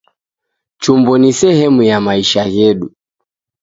Chumbo ni sehemu ya maisha ghedu